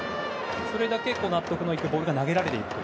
それだけ納得のいくボールが投げられていると。